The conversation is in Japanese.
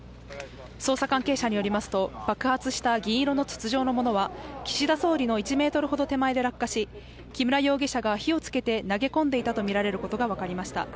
捜査関係者によりますと、爆発した銀色の筒状のものは、岸田総理の１ｍほど手前で落下し、木村容疑者が火をつけて投げ込んでいたとみられることが分かりました。